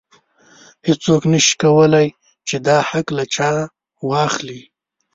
هیڅوک نشي کولی چې دا حق له چا واخلي.